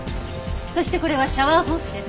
そしてこれはシャワーホースです。